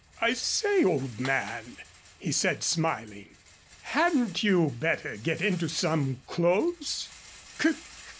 "I say, old man," he said, smiling, "hadn't you better get into some clothes?"